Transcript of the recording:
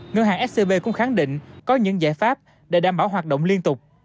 ngân hàng scb cũng khẳng định có những giải pháp để đảm bảo hoạt động liên tục